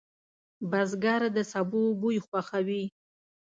بزګر د سبو بوی خوښوي